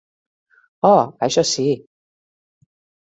Oh, això, sí.